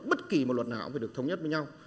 bất kỳ một luật nào cũng phải được thống nhất với nhau